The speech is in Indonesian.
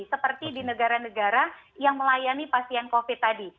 seperti di negara negara yang melayani pasien covid tadi